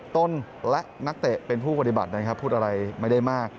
ต้นและนักเตะเป็นผู้ปฏิบัตินะครับพูดอะไรไม่ได้มาก